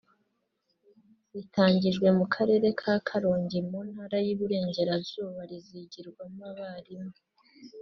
ritangijwe mu karere ka Karongi mu Ntara y’i Burengerazuba rizigiramo abarimu